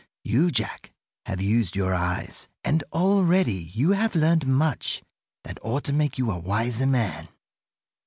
You, Jack, have used your eyes, and already you have learned much that ought to make you a wiser man.